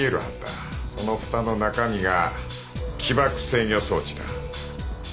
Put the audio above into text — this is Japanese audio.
そのふたの中身が起爆制御装置だ。